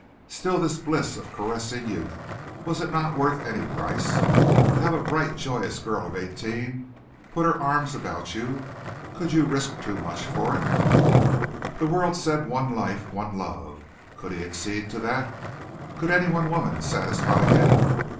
Still this bliss of caressing youth was it not worth any price? To have a bright, joyous girl of eighteen put her arms about you could you risk too much for it? The world said one life, one love. Could he accede to that? Could any one woman satisfy him?